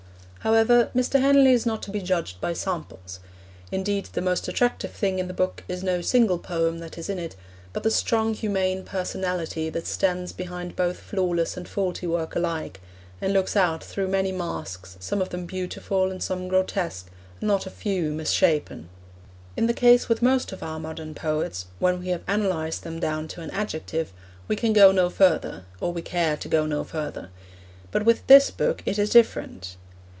However, Mr. Henley is not to be judged by samples. Indeed, the most attractive thing in the book is no single poem that is in it, but the strong humane personality that stands behind both flawless and faulty work alike, and looks out through many masks, some of them beautiful, and some grotesque, and not a few misshapen. In the case with most of our modern poets, when we have analysed them down to an adjective, we can go no further, or we care to go no further; but with this book it is different.